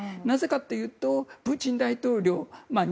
なぜかというとプーチン大統領